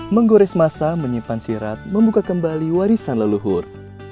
menggores masa menyimpan sirat membuka kembali warisan leluhur